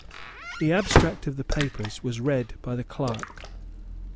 The abstract of the papers was read by the clerk.